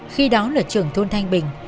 khi đó là trưởng thôn thanh bình